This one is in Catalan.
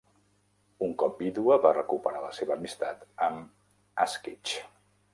Un cop vídua, va recuperar la seva amistat amb Asquith.